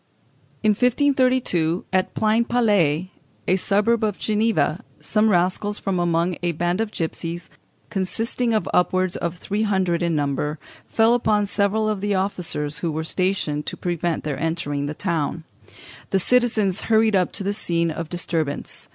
In 1532, at Pleinpalais, a suburb of Geneva, some rascals from among a band of gipsies, consisting of upwards of three hundred in number, fell upon several of the officers who were stationed to prevent their entering the town. The citizens hurried up to the scene of disturbance.